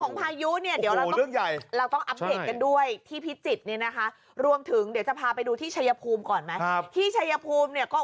ของพายุเนี่ยเดี๋ยวลงใหญ่แล้วต้องควรไปด้วยที่พิจิตน์นี้นะคะรวมถึงเดี๋ยวจะพาไปดูที่ชัยภูมิก่อนนะที่ชัยภูมิเนี่ยก็